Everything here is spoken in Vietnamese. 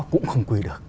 cũng không quy được